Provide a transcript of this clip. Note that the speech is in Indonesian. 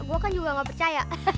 gue kan juga gak percaya